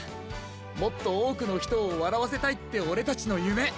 「もっとおおくのひとをわらわせたい」ってオレたちのゆめ。